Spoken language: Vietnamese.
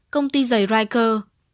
công ty giấy riker